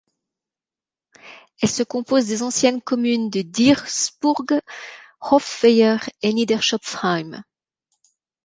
Elle se compose des anciennes communes de Diersburg, Hofweier et Niederschopfheim.